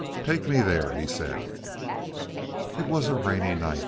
"Take me there," he said. It was a rainy night.